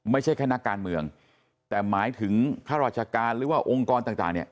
ไม่ใช่แค่นักการเมืองแต่หมายถึงข้าราชการหรือว่าองค์กรต่างเนี่ย